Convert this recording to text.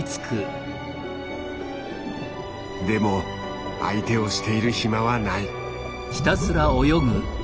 でも相手をしている暇はない。